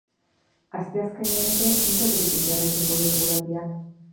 Asteazkenean ere ildo beretik jarraituko du eguraldiak.